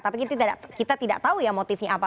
tapi kita tidak tahu ya motifnya apa